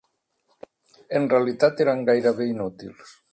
En realitat eren gairebé inútils.